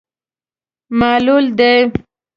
معلول دی.